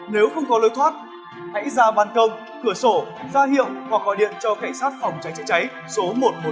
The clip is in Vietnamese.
nếu không có lối thoát hãy ra bàn công cửa sổ ra hiệu hoặc gọi điện cho cảnh sát phòng cháy chữa cháy số một trăm một mươi bốn